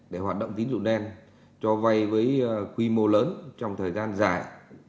để hoạt động tính dụng đen cho vai với quy mô lớn trong thời gian dài